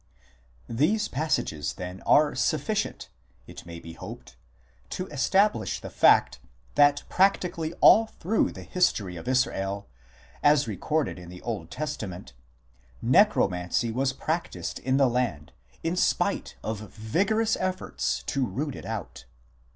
These passages, then, are sufficient, it may be hoped, to establish the fact that practically all through the history of Israel, as recorded in the Old Testament, Necromancy was practised in the land, in spite of vigorous efforts to root it out.